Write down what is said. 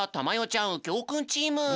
ちゃんうきょうくんチーム。